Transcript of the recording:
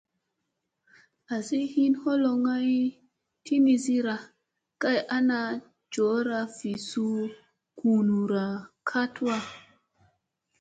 Azi hin holoŋ ay tinirani, kay ana cora vl suu gunura ka tuwa.